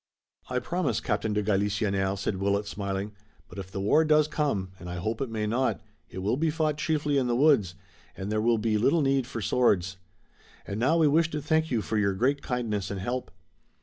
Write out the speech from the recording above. "I promise, Captain de Galisonnière," said Willet, smiling, "but if the war does come, and I hope it may not, it will be fought chiefly in the woods, and there will be little need for swords. And now we wish to thank you for your great kindness and help."